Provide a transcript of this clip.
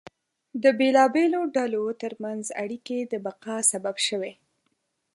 د بېلابېلو ډلو ترمنځ اړیکې د بقا سبب شوې.